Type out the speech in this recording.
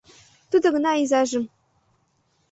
Тудо гына изайжым